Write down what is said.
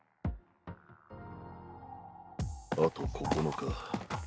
あと９日。